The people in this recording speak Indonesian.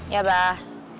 ya abah salam